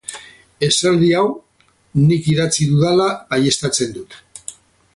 Esaldi hau nik idatzi dudala baieztatzen dut.